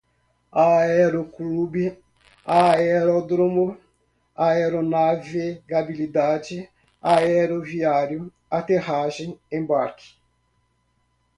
aeroclube, aeródromo, aeronavegabilidade, aeroviário, aterragem, embarque